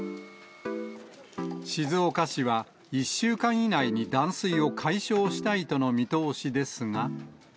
静岡市は１週間以内に断水を解消したいとの見通しですが。